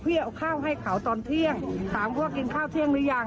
เพื่อเอาข้าวให้เขาตอนเที่ยงถามพ่อกินข้าวเที่ยงหรือยัง